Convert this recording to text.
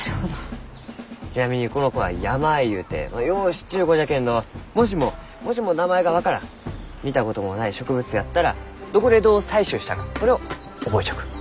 ちなみにこの子はヤマアイゆうてよう知っちゅう子じゃけんどもしももしも名前が分からん見たこともない植物やったらどこでどう採集したかそれを覚えちょく。